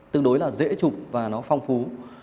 tương đối là dễ chụp và nó phong phú